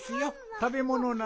たべものなら。